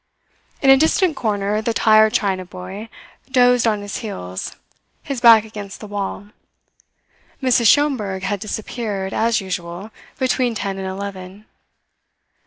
In a distant corner the tired China boy dozed on his heels, his back against the wall. Mrs. Schomberg had disappeared, as usual, between ten and eleven.